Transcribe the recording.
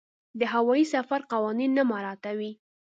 د هوايي سفر قوانین نه مراعاتوي.